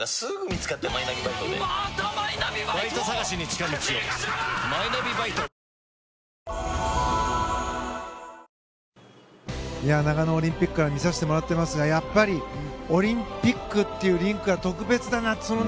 新長野オリンピックから見させてもらっていますがやっぱりオリンピックっていうリンクは特別だなと。